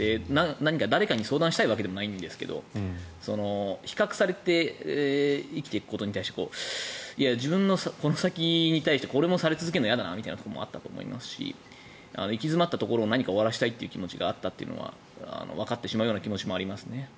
誰かに相談したいわけでもないんですが比較されて生きていくことに対して自分のこの先に対してこれもされ続けることは嫌だなとあったと思いますし行き詰まったところを何か終わらせたいという気持ちはわかってしまう気持ちもありますね。